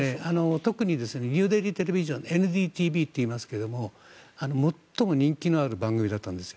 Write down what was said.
特にニューデリー・テレビジョンＮＤＴＶといいますけれども最も人気のある番組だったんです。